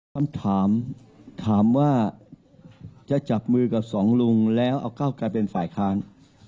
คำถามถามว่าจะจับมือกับสองลุงแล้วเอาก้าวกลายเป็นฝ่ายค้าน